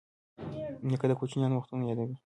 نیکه د کوچیانو وختونه یادوي.